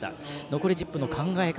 残り１０分の考え方